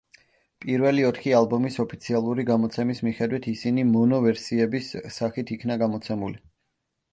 პირველი ოთხი ალბომის ოფიციალური გამოცემის მიხედვით, ისინი მონო ვერსიების სახით იქნა გამოცემული.